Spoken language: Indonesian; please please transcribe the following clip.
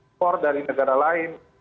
skor dari negara lain